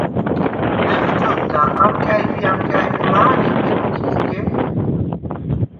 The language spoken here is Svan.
ლეხჭოდდა: ამკაიბ ი ამკაიბ მა̄რე იმე ლოქ იზგე?